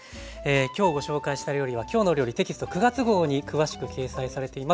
今日ご紹介した料理は「きょうの料理」テキスト９月号に詳しく掲載されています。